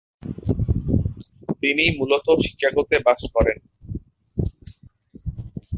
তিনি মূলত শিকাগোতে বাস করেন।